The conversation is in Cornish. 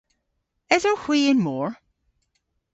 Esowgh hwi y'n mor?